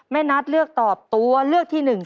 แม่นัทเลือกตอบตัวเลือกที่หนึ่ง